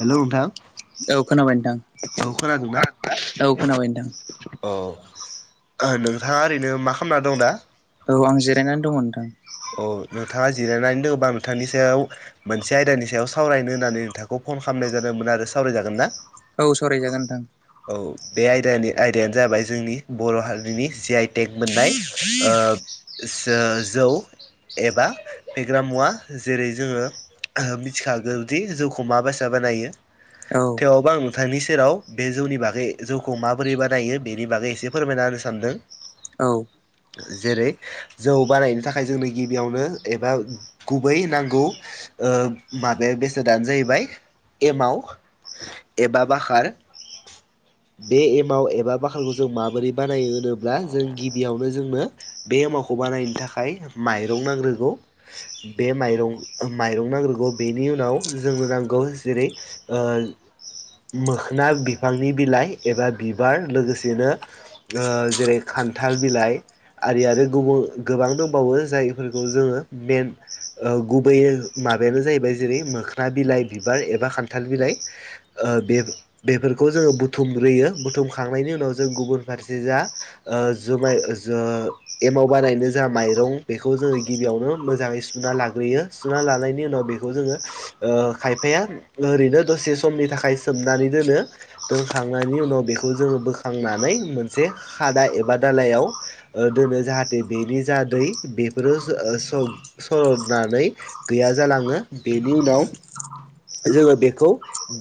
हेल' नोंथां औ खोनाबाय नथां औ खोनादोंना? औ खोनाबाय नथां। औ नोंथाङा ओरैनो मा खालामना दं दा? औ आं जिरायनानै दङ नथां ‌। औ नोंथाङा जिरायनानै दङबा नोंथांनि सायाव मोनसे आयदानि सायाव सावरायनो होन्नानै नोंथांखौ फन खालामनाय जादोंमोन आरो सावरायजागोन ना? औ सरायजागोन नथां। औ बे आयदानि आयदायानो जाबाय जोंनि बर' हारिनि जि आइ टेक मोननाय ओ ज-जौ एबा फेग्रा मुवा जेरै जोङो मिथिखागौदि जौखौ मा बासा बानायो औ थेवबो आं नोंथांनि सेराव बे जौनि बागै जौखौ माबोरै बानायो बेनि बागै एसे फोरमायना होनो सानदों। [unintelligible] जेरै जौ बानायनो थाखाय जोंनो गिबियावनो एबा गुबै नांगौ ओ माबाया बेसादानो जाहैबाय एमाव एबा बाखार। [inaudible] बे एमाव एबा बाखारखौ जों माबोरै बानायो होनोब्ला जों गिबियावनो जोंनो बे वखौ बानायनो थाखाय माइरं नांग्रोगौ बे माइरं माइरं नांग्रोगौ बेन नि उनाव जोंनो नांगौ जेरै ओ मोखोना बि फांनि बिलाइ एबा बिबार लोगोसेनो ओ जेरै खान्थाल बिलाइ आरि आरो गुबु गोबां दंबावो जायफोरखौ जोङो मेन ओ गुबैयै माबायानो जाहैबाय जेरै मोखोना बिलाइ बिबार एबा खान्थाल बिलाइ। ओ बेफ-बेफोर खौ जोङो बुथुमग्रोयो बुथुमखांनायनि उनाव जों गुबुन फारसे जा ओ जुमाय ओ ज एमाव बानायनो जा माइरं बेखौ जोङो गिबियावनो मोजाङै सुना लाग्रोयो सुना लानाय उनाव बेखौ जोङो खायफाया ओरैनो दसे समनि थाखाय सोमनानै दोनो दोनखांनायनि उनाव बेखौ जोङो बोखांनानै मोनसे खादा एबा दालइयाव दोनो जाहाथे बेनि जा दै बेफोरो स-सर'नानै गैया ज लाङो बेनि उनाव जोङो बेखौ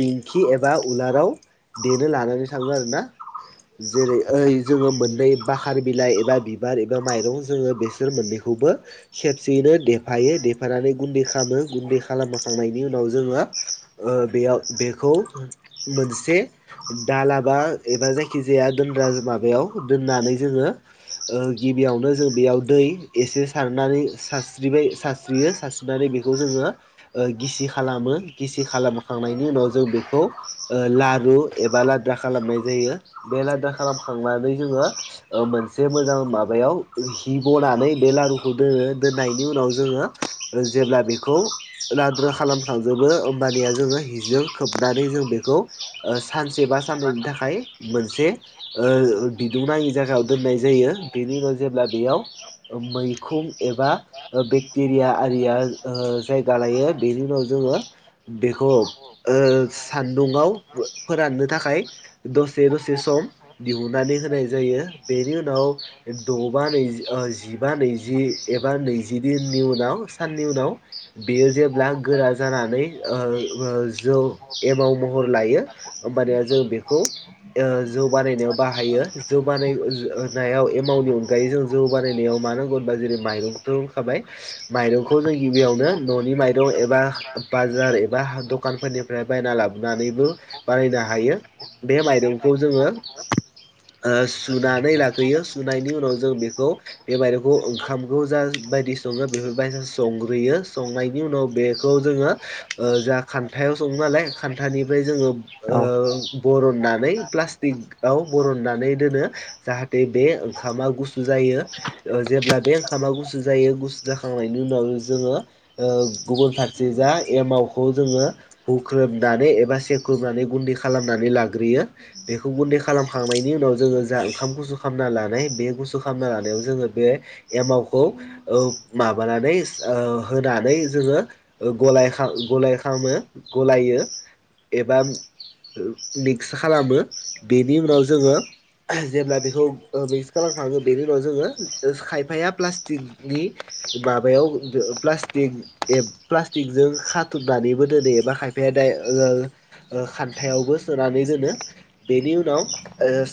दिंखि एबा उलाराव देनो लानानै थांङो आरो ना जेरै ओइ जोङो मोननै बाखार बिलाइ एबा बिबार एबा माइरं जोङो बेसोर मोननै खौबो खेबसेयैनो देफायो देफानानै गुन्दै खालामो गुन्दै खालामखांनायनि उनाव जोङो बेयाव बेखौ मोनसे से दालाबा एबा जायखि जाया दोनग्रा माबायाव दोननानै जोङो ओ गिबियावनो जों बेयाव दै एसे सारनानै सारस्रिबाय सारस्रियो सारस्रिनानै बेखौ जोङोओ गिसि खालानो गिसि खालामखांनायनि उनाव जों बेखौ ओ ला रु एबा लाद्रा खालामनाय जायो बे लाद्रा खालामखांनानै जोङो मोनसे मोजां माबायाव हि बनानै बे लारुखौ दोनो दोननायनि उनाव जोङो जेब्ला बेखौ खौ लााद्रु खालामखांजोबो होमबानिया जोङो हिजों खोबनानै जों बेखौ ओ सानसे बा साननैनि थाखाय मोनसे ओ बिदुं नाङि जायगायाव दोननाय जायो। बेनि उनाव जेब्ला बेयाव मैखुम एबा बेक्टेरिया आरिया ओ जायगा लायो बेनि उनाव जो जोङो बेखौ ओ सान्दुंआव फोराननो थाखाय दसे दसे सम दिहुननानै होनाय जायो बेनि उनाव द बा नैजि जिबा नैजि एबा नैजिदिननि उनाव साननि उनाव बेयो जेब्ला गोरा जानानै ओ ओ जौ एमाव महर लायो। होमबानिया जों बेखौ ओ जौ बानायनायाव बाहायो जौ बानायनायाव एमाउनि अनगायै जों जौ बानायनायाव मानो होनो होनबा जेरै माइरंखौथ' होखाबाय माइरंखौ जों गिबियावनो न'नि माइरं एबा बाजार एबा दखानफोरनिफ्राय बायना लाबोनानैबो बानायनो हायो बे माइरंखौ जोङो ओ सुनानै लाग्रोयो सुनायनि उनाव जों बेखौ बे माइरंखौ ओंखामखौ जा बायदि संग्रोयो उनाव जो ख न्थायाव सङो नालाय खान्थानिफ्राय जोङो ओ औ बरननानै प्लासटिक आव बरननानै दोनो जाहाथे बे ओंखामा गुसु जायो ओ जेब्ला बे ओंखामा गुसु जायो गुसु जाखांनायनि उनाव जोङोओ गुबुन फारसे जा एमावखौ जोङो हुख्रुबनानै एबा सेख्रुबनानै गुन्दै खालामनानै लाग्रोयो बेखौ गुन्दै खालामखांनायनि उनाव जोङो जा ओंखाम गुसु खालामना लानाय बे गुसु खालामना लानायाव जोङो बे एमावखौ औ माबानानै होना नानै जोङो गलायखां गलाखामो गलायो एबा मिक्स खालामो बेनि उनाव जोङो जेब्ला बेखौ मिक्स खालामखाङो बेनि उनाव जोङो खायफाया प्लास्टिकनि माबायाव प्लास्टिक प्लास्टिक जों खाथुमनानैबो दोनो एबा खायफायाानो द [unintelligible] हिथायावबो सोनानै दोनो बेनि उनाव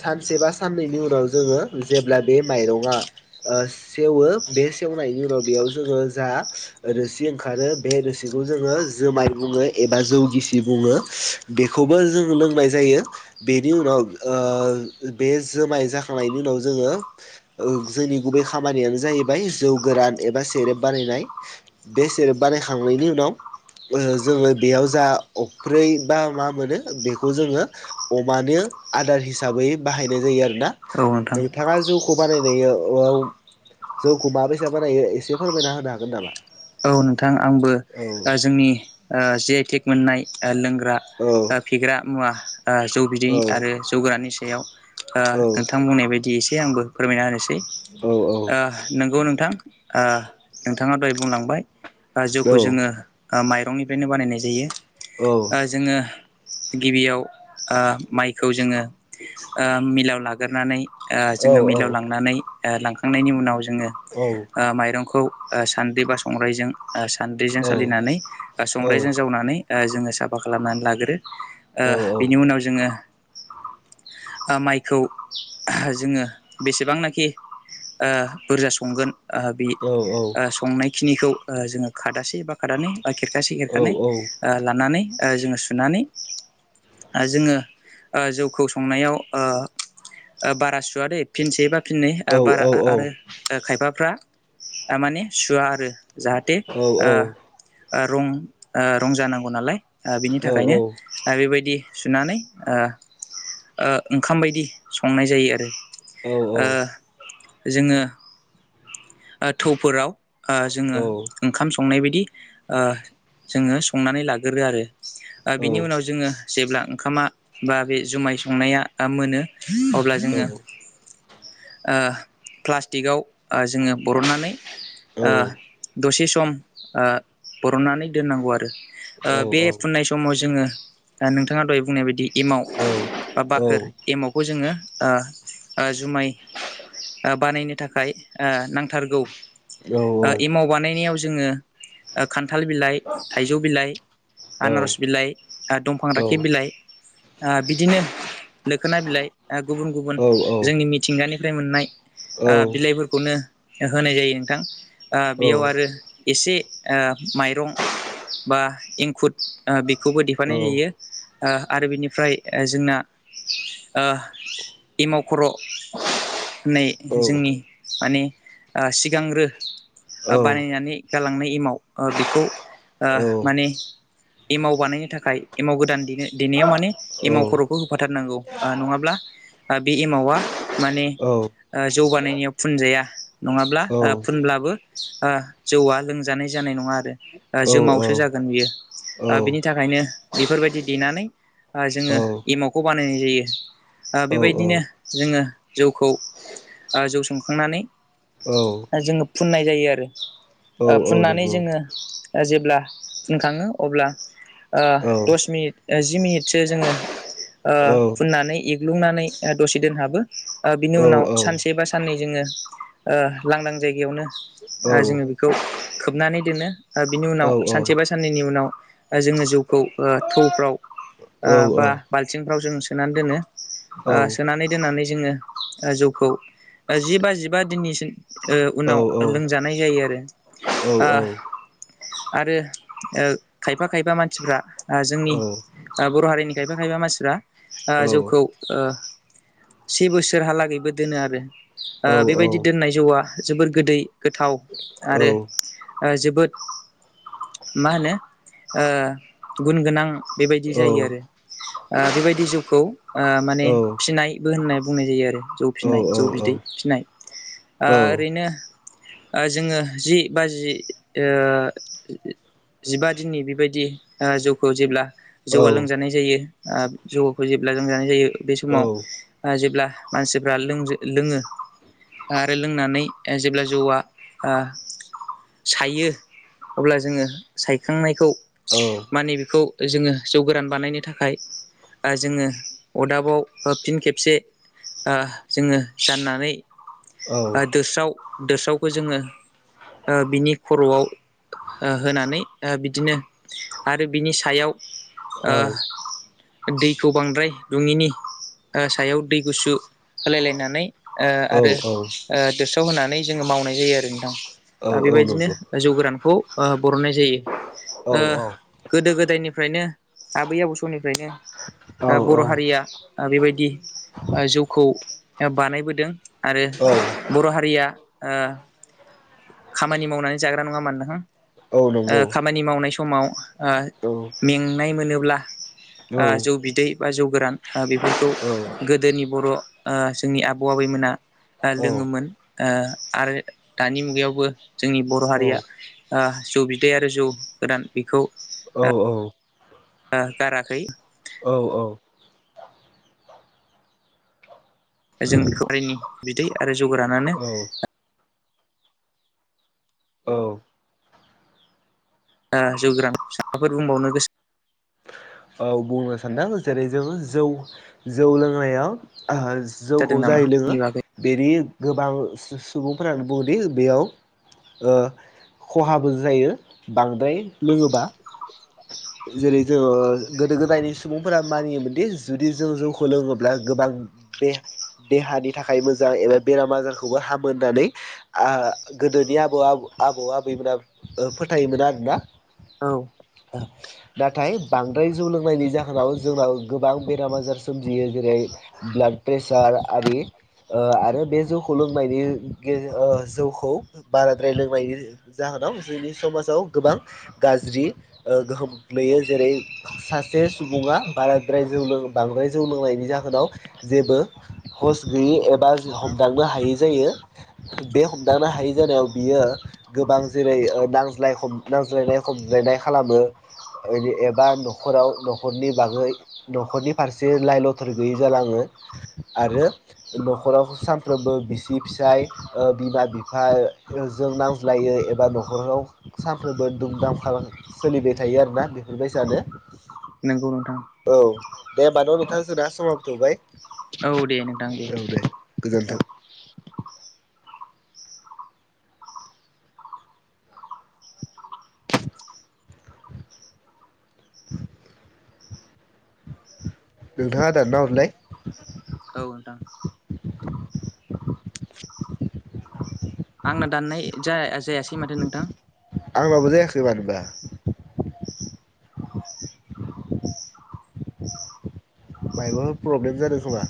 सानसे बा साननैनि उनाव जोङो जे अब्ला बे माइरङा सेवो बे सेवनायनि उनाव बेयाव जोङो जा रोसि ओंखारो बे रोसि बेखौ जोङो जुमाय बुङो एबा जौ गिसि बुङो बे खौबो जों लोंनाय जायो बेनि उनाव बे जोमाय जाखांनायनि उनाव जों ङो जोंनि गुबै खामानियानो जाहैबाय जौ गोरान एबा सेरेप बानायनाय बे सेरेप बानायखांनायनि उनाव जोङो बेयाव जा अफ्रै बा मा मोनो बेखौ जोङो अमानो आदार हिसाबै बाहायनाय जायो आरो नोंथां नोंथाङा जौ खौ बानायनायाव औ जौखौ माबैसा बानायो एसे फोरमायना होनो हागोन नामा? औ नोंथां आंबो औ ओ जोंनि ओ जि आइ टेक मोननाय ओ लों ग्रा औ ओ फेग्रा मुवा ओ जौ बिदै औ आरो जौ गोराननि सायाव ओ औ नोंथां बुंनाय बायदि एसे आंबो फोरमायना होनोसै। औ ओ नोंगौ नों थां ओ नोंथाङा दहाय बुंलांबाय ओ जौखौ औ जोङो ओ माइरंनिफ्रायनो बानायनाय जायो। ओ जोङो गिबियाव ओ माइखौ जोङो ओ मिलाव लागोरनानै ओ जोङो औ मिलाव औ लांनानै ओ लांखांनायनि उनाव जोङो औ ओ माइरंखौ ओ सान्द्रि बा संग्राइजों ओ औ नंगौ औ सान्द्रिजों सालिनानै ओ संग्राइजों जावनानै ओ जोङो साफा खालामनानै लागोरो। ओ बिनि उनाव जोङो [inaudible] ओ माइखौ जोङो बेसेबांनाखि ओ बुरजा संगोन ओ बि ओ संनाय खिनिखौ ओ जोङो खादासे बा खादानै ओ खेरखासे खेरखानै ओ लानानै ओ जोङो सुनानै ओ जोङो ओ जौखौ संनायाव ओ ओ बारा सुवादै फिनसेबा फिननै बारा ओ आ-आरो खायफाफ्रा ओ माने सुवा आरो जाहाथे ओ ओ रं ओ रं जानांगौ नालाय। ओ बिनि थाखायनो ओ बेबायदि सुनानै ओ ओ ओंखाम बायदि संनाय जायो आरो। ओ जोङो ओ थौफोराव जोङो ओ ओंखाम सं नाय बायदि ओ जोङो संनानै लागोरो आरो। ओ औ बिनि उनाव जोङो जेब्ला ओंखामा बा बे जुमाय संनाया ओ मोनो अब्ला जोङो ओ प्लास्टिकआव ओ जोङो बरननानै ओ दसे सम ओ बरननानै दोननांगौ आरो। ओ बे फुननाय समाव जोङो नोंथाङा दहाय बुंनाय बायदि एमाव बा बाखोर एमावखौ जोङो ओ ओ जुमाय ओ बानायनो थाखाय नांथारगौ। ओ एमाव बानायनायाव जोङो ओ खा न्थाल बिलाइ, थाइजौ बिलाइ, आनारस बिलाइ, आरो दंफां राखेब बिलाइ ओ बिदिनो लोखोना बिलाइ ओ गुबुन गुबुन जोंनि मिथिंगानिफ्राय मोननाय ओ बिलाइफोरखौनो होनाय जायो नोंथां। ओ बेयाव आरो एसे ओ माइरं बा एंखुर ओ बेखौबो देफानाय जायो‌। ओ आरो बिनिफ्राय जोंना ओ एमाव खर' होननाय जोंनि माने ओ सिगांग्रो ओ बानायनानै गालांनाय एमाव ओ बेखौ ओ माने एमाव बानायनो थाखाय एमाव गोदान देनो देनायाव माने एमाव खर'खौ होफाथारनांगौ। ओ नङाब्ला ओ बे एमावा माने ओ जौगानायनियाव फुनजाया नङाब्ला ओ फुनब्लाबो ओ जौआ लोंजानाय जानाय नङा आरो ओ जोमावसो जागोन बियो। ओ बिनि थाखायनो बेफोरबायदि देनानै ओ जोङो एमावखौ बानायनाय जायो। ओ बेबायदिनो जोङो जौखौ ओ जौ संखांनानै औ। जोङो फुननाय जायो आरो। ओ फुननानै जोङो ओ जेब्ला फुनखाङो अब्ला ओ दस मिनिट ओ जि मिनिटसो जोङो ओ फुननानै एग्लुंनानै ओ दसे दोनहाबो। ओ बिनि उनाव सानसे बा साननै जोङो ओ लांदां जायगायावनो ओ जोङो बेखौ खोबनानै दोनो। ओ बिनि उनाव सानसे बा साननैनि उनाव ओ जोङो जौखौ ओ थौफ्राव ओ औ बा औ बाल्थिंफ्राव जों सोनानै दोनो। औ ओ सोनानै दोननानै जोङो ओ जौखौ जि बा जिबा दिननिसिम ओ उनाव लोंजानाय जायो आरो ओ आरो ओ खायफा खायफा मानसिफ्रा ओ जोंनि ओ बर' हारि नि खायफा खायफा मानसिफोरा ओ जौखौ ओ से बोसोरहालागैबो दोनो आरो आ बेबायदि दोननाय जौआ जोबोद गोदै गोथाव आरो आ जोबोद मा होनो ओ गुन गोनां बेबायदि जायो आरो ओ बेबायदि जौखौ ओ माने फिनाय बो होनना बुंनाय जायो आरो जौ फिनाय जौ बिदै फिनाय ओ औ ओरैनो ओ जोङो जि बाजि ओ जिबा दिननि बेबायदि ओ जौखौ जेब्ला जौआ लोंजानाय जायो ओ जौखो जेब्ला लोंजानाय जायो। बे समाव आ जेब्ला मानसिफ्रा लोंजो लोङो। आरो लोंनानै जेब्ला जौआ आ सायो अब्ला जोङो सायखांनायखौ औ माने बेखौ जोङो जौ गोरान बानायनो थाखाय आ जोङो अदाबाव ओ फिन खेबसे ओ जोङो जाननानै ओ दोस्राव दोस्रावखो जोङो ओ बिनि खर'आव ओ होनानै ओ बिदिनो आरो बिनि सायाव ओ दैखौ बांद्राय रुङिनि ओ सायाव दै गुसु होलायलायनानै ओ आरो ओ दोसाव होनानै जोङो मावनाय जायो आरो नोंथां। औ ओ बेबायदिनो नंगौ जौ गोरानखौ ओ बरननाय जायो। औ ओ गोदो गोदायनिफ्रायनो आबै आबौ समनिफ्रायनो औ ओ बर' हारिया ओ बेबायदि ओ जौखौ दा बानायबोदों आरो बर' हारिया ओ खामानि मावनानै जाग्रा नङा होमबा नोंथां। औ ओ नंगौ ामानि मावनाय स समाव ओ औ मेंनाय मोनोब्ला ओ जौ बिदै बा जौ गोरान ओ बेफोरखौ औ गोदोनि बर' ओ जोंनि आबौ आबैमोना ओ औ लोङोमोन। ओ आरो दानि मुगायावबो जोंनि बर' हारिया ओ जौ बिदै आरो जौ गोरान बेखौ ओ गाराखै। औ औ। जों बेखौ हारिनि बिदै आरो जौ गोरानो औ औ। जौ गोरान [unintelligible] फोर बुंबावनो गोसो औ बुंनो सानदों जेरै जोङो जौ जौ लोंनायाव ओ जौखौ जादों नामा जाय लोङो बेनि बागै बेनि गोबां सु-सुबुंफोरानो बुङोदि बेयाव ओ खहाबो जायो बांद्राय लोङोबा। जेरै जोङो गोदो गोदायनि सुबुंफोरा मानियोमोनदि जुदि जों जौखौ लोङोब्ला गोबां दे-देहानि थाखाय मोजां एबा बेराम आजारखौबो हामो होननानै आ गोदोनि आबौ आ आबौ आबैमोना ओ फोथायोमोन आरो ना। औ। [unintelligible] नाथाय बांद्राय जौ लोंनायनि जाहोनाव जोंनाव गोबां बेराम आजार सोमजियो। जेरै ब्लाड प्रेसार आरि। ओ आरो बे जौखौ लोंबाय बियो जौखौ बाराद्राय लोंनायनि बियो जा होनाव जोंनि समाजाव गोबां गाज्रि गोहोम गोग्लैयो। जेरै सासे सुबुङा बाराद्राय जौ लोङो बांद्राय जौ लोंनायनि जाहोनाव जेबो हस गैयि एबा हमदांनो हायै जायो। बे हमदांनो हायै जायो। बियो गोबां जेरै नांज्लाय नांज्लायनाय खमज्लायनाय खालामो। एबा न'खराव न'खरनि बागै न'खरनि फारसे लाइ लथर गैयै जालाङो। आरो न'खराव सानफ्रोमबो बिसि फिसाय बिमा बिफा जों नांज्लायो एबा न'खराव सानफ्रोमबो दुम दामखा सोलिबाय थायो आरो ना बेफोरबायसा नो। नंगौ नोंथां। दे होमबान' नोंथां जोंना समाबो थौबाय औ दे नोंथां दे। औ औ गोजोन्थों नोंथाङा दानना हरलाय। औ नोंथां। आंना दाननाय जाया-जायासै माथो नोंथां। आंनाबो जायाखै मानोबा। मायबा प्रब्लेम जादों खोमा।